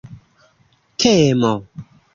temo